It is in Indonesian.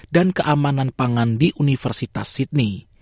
dan keamanan pangan di universitas sydney